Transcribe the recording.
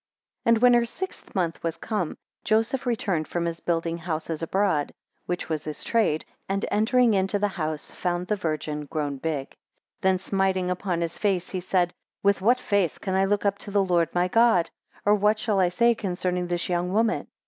AND when her sixth month was come, Joseph returned from his building houses abroad, which was his trade, and entering into the house, found the Virgin grown big: 2 Then smiting upon his face, he said, With what face can I look up to the Lord my God? or, what shall I say concerning this young woman?